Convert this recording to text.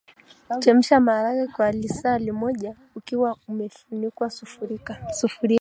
Chemsha maharage kwa lisaa li moja ukiwa umefunika sufuria